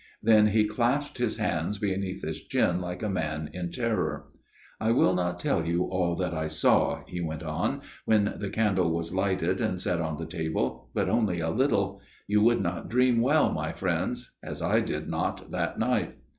Then he clasped his hands beneath his chin, like a man in terror. 44 A MIRROR OF SHALOTT " I will not tell you all that I saw," he went on, "when the candle was lighted and set on the table ; but only a little. You would not dream well, my friends as I did not that night.